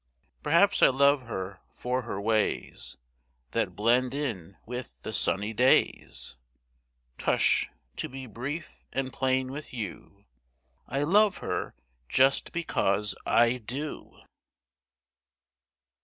Perhaps I love her for her ways That blend in with the sunny days. Tush to be brief and plain with you, I love her just because I do.